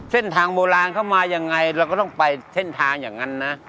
เส้นทางโบราณเข้ามายังไงเราก็ต้องไปเส้นทางอย่างนั้นนะ